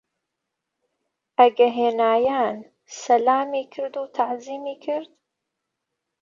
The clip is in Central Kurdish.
ئەگە هینایان سەلامی کرد و تەعزیمی کرد؟